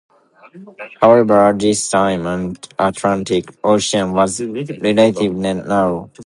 However, at this time, the Atlantic Ocean was relatively narrow.